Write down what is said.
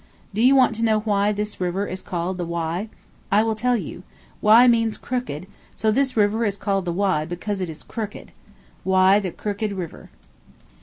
Do you want to know why this river is called the Wye? I will tell you. Wye means crooked, so this river is called the Wye because it is crooked. Wye, the crooked river."